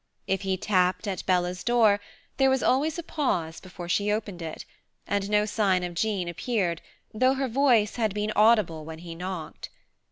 If he tapped at Bella's door, there was always a pause before she opened it, and no sign of Jean appeared though her voice had been audible when he knocked.